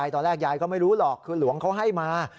ตอนแรกยายก็ไม่รู้หรอกคือหลวงเขาให้มา